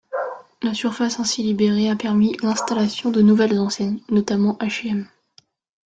La surface ainsi libérée a permis l'installation de nouvelles enseignes, notamment H&M.